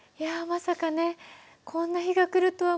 まさかねこんな日が来るとは。